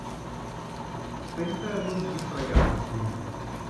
ปรินเตอร์รุ่นนี้ประหยัดหมึกดี